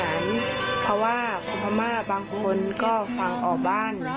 บางคนร้องไห้จนเราฟังสิ่งที่เธอพูดไม่ออกเลย